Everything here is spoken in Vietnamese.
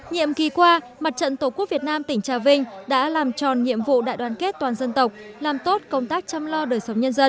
nhiệm kỳ qua mặt trận tqvn tỉnh trà vinh đã làm tròn nhiệm vụ đại đoàn kết toàn dân tộc làm tốt công tác chăm lo đời sống nhân dân